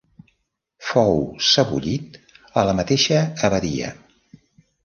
Fou sebollit a la mateixa abadia.